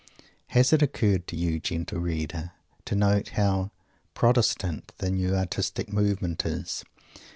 Has it occurred to you, gentle reader, to note how "Protestant" this New Artistic Movement is?